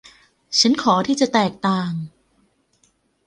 ฉันขอที่จะแตกต่าง